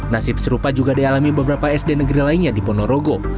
nasib serupa juga dialami beberapa sd negeri lainnya di ponorogo